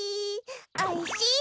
おいしイ。